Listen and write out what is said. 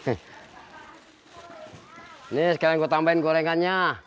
ini sekarang gue tambahin gorengannya